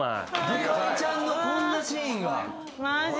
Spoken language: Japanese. でか美ちゃんのこんなシーンが。